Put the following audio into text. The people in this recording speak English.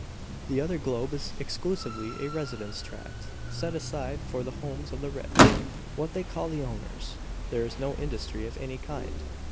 "The other globe is exclusively a residence tract, set aside for the homes of the rich; what they call the owners. There is no industry of any kind.